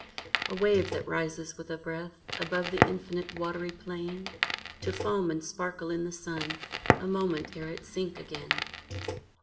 A wave that rises with a breath Above the infinite watery plain, To foam and sparkle in the sun A moment ere it sink again.